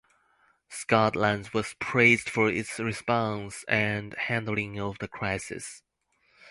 Scotland was praised for its response and handling of the crisis.